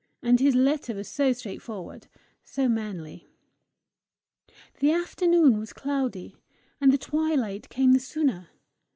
And his letter was so straightforward so manly! The afternoon was cloudy, and the twilight came the sooner.